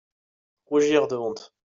Rougir de honte.